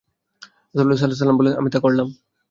রাসূল সাল্লাল্লাহু আলাইহি ওয়াসাল্লাম তখন বললেন, আমি তা করলাম।